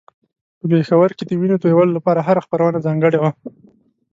په پېښور کې د وينو تویولو لپاره هره خپرونه ځانګړې وه.